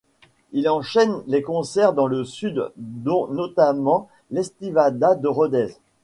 Il enchaîne les concerts dans le Sud dont notamment l'Estivada de Rodez.